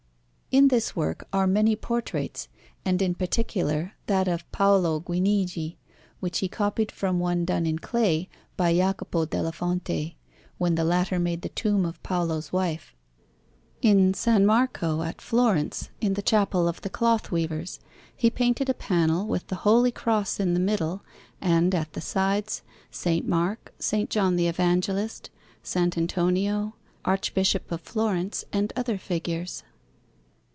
In this work are many portraits, and in particular that of Paolo Guinigi, which he copied from one done in clay by Jacopo della Fonte when the latter made the tomb of Paolo's wife. In S. Marco at Florence, in the Chapel of the Cloth Weavers, he painted a panel with the Holy Cross in the middle, and, at the sides, S. Mark, S. John the Evangelist, S. Antonino, Archbishop of Florence, and other figures.